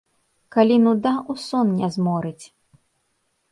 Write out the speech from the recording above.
Калі нуда ў сон не зморыць.